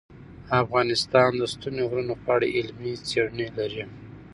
افغانستان د ستوني غرونه په اړه علمي څېړنې لري.